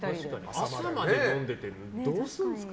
朝まで飲んでてどうするんですか？